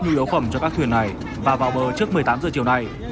nhu yếu phẩm cho các thuyền này và vào bờ trước một mươi tám h chiều này